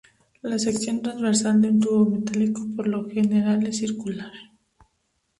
La sección transversal de un tubo metálico por lo general es circular.